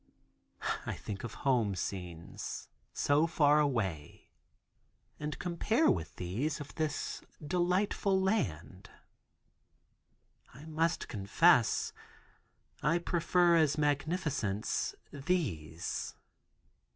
I think of home scenes, so far away, and compare with these of this delightful land. I must confess, I prefer as magnificence, these.